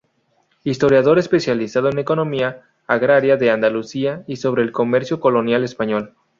Historiador especializado en economía agraria de Andalucía y sobre el comercio colonial español.